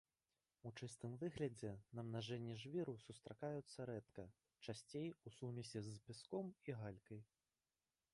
У чыстым выглядзе намнажэнні жвіру сустракаюцца рэдка, часцей у сумесі з пяском і галькай.